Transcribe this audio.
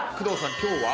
今日は？